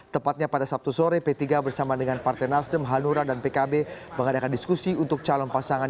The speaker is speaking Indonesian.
tepatnya pada sabtu sore p tiga bersama dengan partai nasdem hanura dan pkb mengadakan diskusi untuk calon pasangan